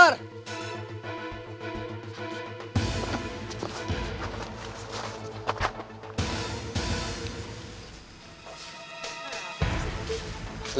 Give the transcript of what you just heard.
alina cepat keluar